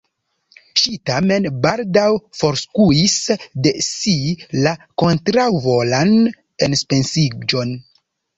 Ŝi tamen baldaŭ forskuis de si la kontraŭvolan enpensiĝon.